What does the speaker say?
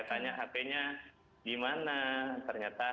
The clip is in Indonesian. justru beberapa orang itu kan tidak tahu